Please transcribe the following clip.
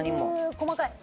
う細かい。